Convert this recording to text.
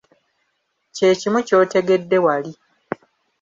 Kye kimu ky'otegedde wali.